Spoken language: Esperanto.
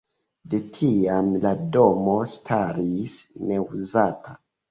De tiam la domo staris neuzata.